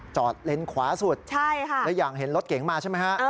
จอดเลนส์ขวาสุดใช่ค่ะแล้วอย่างเห็นรถเก๋งมาใช่ไหมฮะ